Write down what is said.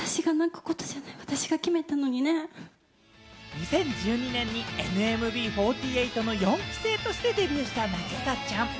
２０１２年にＮＭＢ４８の４期生としてデビューした凪咲ちゃん。